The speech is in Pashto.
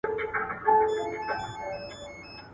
يو ځوان په برخي کي کار کوي.